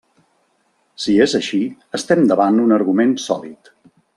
Si és així, estem davant un argument sòlid.